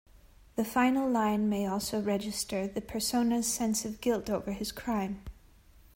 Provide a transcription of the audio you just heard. The final line may also register the persona's sense of guilt over his crime.